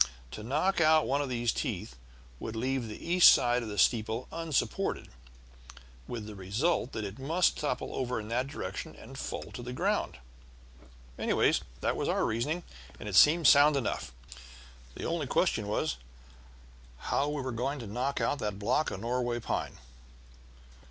To knock out one of these teeth would be to leave the east side of the steeple unsupported, with the result that it must topple over in that direction and fall to the ground. Anyway, that was our reasoning, and it seemed sound enough; the only question was how we were going to knock out that block of Norway pine.